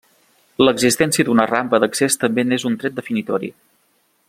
L'existència d'una rampa d'accés també n'és un tret definitori.